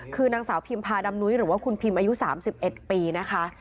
คือนางสาวพิมพาดำนุ้ยหรือว่าคุณพิมอายุ๓๑ปีนะคะ